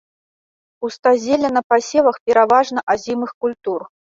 Пустазелле на пасевах пераважна азімых культур.